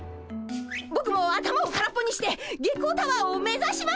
ぼくも頭を空っぽにして月光タワーを目指します！